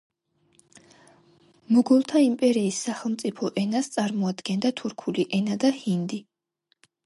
მოგოლთა იმპერიის სახელმწიფო ენას წარმოადგენდა თურქული ენა და ჰინდი.